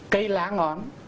cây lá ngón